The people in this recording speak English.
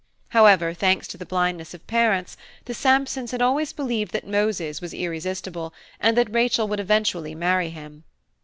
However, thanks to the blindness of parents, the Sampsons had always believed that Moses was irresistible, and that Rachel would eventually marry him.